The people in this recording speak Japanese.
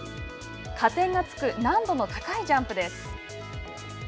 加点がつく難度の高いジャンプです。